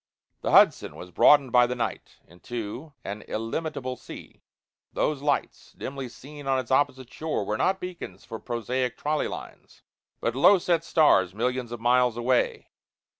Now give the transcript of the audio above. The Hudson was broadened by the night into an illimitable sea those lights, dimly seen on its opposite shore, were not beacons for prosaic trolley lines, but low set stars millions of miles away.